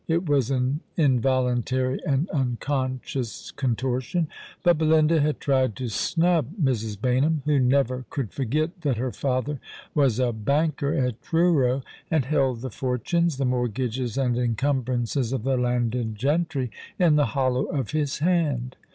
It was an involuntary and unconscious contortion ; but Belinda had tried to snub Mrs. Baynham, who never could forget that her father was a banker at Truro, and held the fortunes — the mortgages and encumbrances of the landed gentry — in the hollow of his hand.